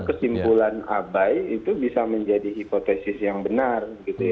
kesimpulan abai itu bisa menjadi hipotesis yang benar